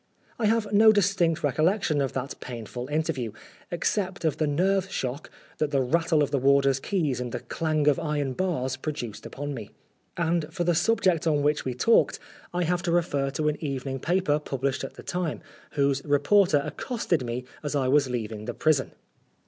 I have no distinct recollection of that pain ful interview, except of the nerve shock that the rattle of the warders' keys and the clang of iron doors produced upon me ; and for the subject on which we talked, I have to refer to an evening paper published at the time, whose reporter accosted me as I was leaving the prison.